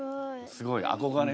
すごい。憧れる？